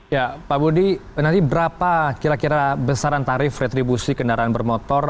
ya pak budi nanti berapa kira kira besaran tarif retribusi kendaraan bermotor